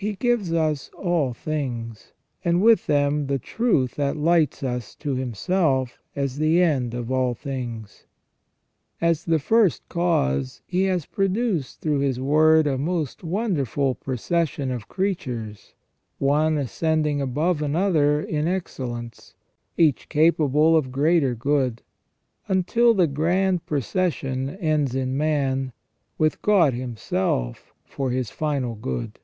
He gives us all things, and with them the truth that lights us to Himself as the end of all things. As the first cause He has produced through His Word a most wonderful procession of creatures, one ascending above another in excel lence, each capable of greater good, until the grand procession ends in man, with God Himself for his final good.